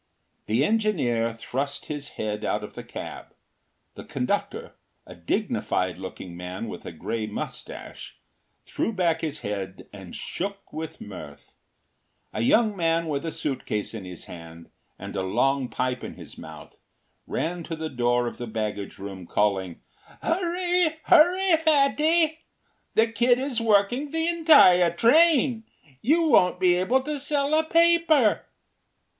The engineer thrust his head out of the cab; the conductor, a dignified looking man with a grey moustache, threw back his head and shook with mirth; a young man with a suit case in his hand and a long pipe in his mouth ran to the door of the baggage room, calling, “Hurry! Hurry, Fatty! The kid is working the entire train. You won’t be able to sell a paper.